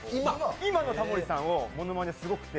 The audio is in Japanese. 今のタモリさんのものまねすごくて。